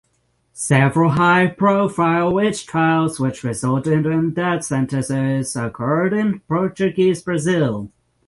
Several high profile witch trials which resulted in death sentences occurred in Portuguese Brazil.